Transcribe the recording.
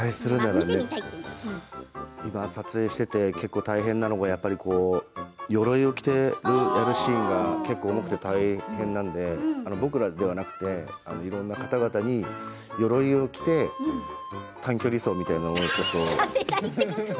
今、撮影していて結構大変なのがよろいを着てやるシーンが結構重くて大変なので僕らではなくていろんな方々に、よろいを着て短距離走みたいなものをねちょっと。